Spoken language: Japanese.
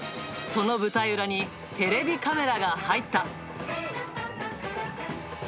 その舞台裏に、テレビカメラが入った。